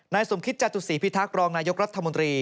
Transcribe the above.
สมคิตจตุศีพิทักษ์รองนายกรัฐมนตรี